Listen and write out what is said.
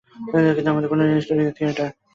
কিন্তু কেন studio theatre?